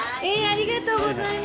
ありがとうございます。